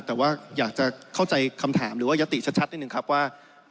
แต่ว่าอยากจะเข้าใจคำถามหรือว่ายติชัดนิดนึงครับว่า